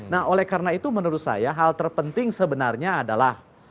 nah oleh karena itu menurut saya hal terpenting sebenarnya adalah